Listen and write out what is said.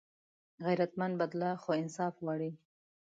غیرتمند بدله خو انصاف غواړي